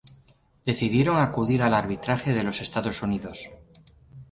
Decidieron acudir al arbitraje de los Estados Unidos.